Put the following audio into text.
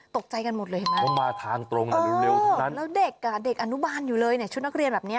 ตกใจกันหมดเลยเห็นไหมอ๋อแล้วเด็กอ่ะเด็กอนุบาลอยู่เลยเนี่ยชุดนักเรียนแบบนี้